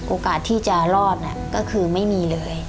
โอกาสที่จะรอดก็คือไม่มีเลย